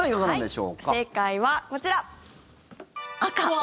正解はこちら。